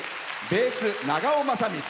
ベース、長尾雅道。